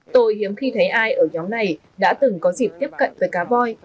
tôi hiếm khi thấy ai ở nhóm này đã từng có dịp tiếp cận với cá voi